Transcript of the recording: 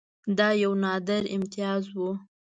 دا یو نادر امتیاز وو.